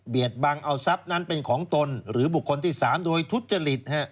บังเอาทรัพย์นั้นเป็นของตนหรือบุคคลที่๓โดยทุจริต